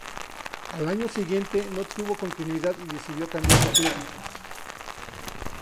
Al año siguiente, no tuvo continuidad y decidió cambiar de club.